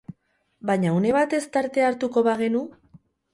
Baina une batez, tartea hartuko bagenu?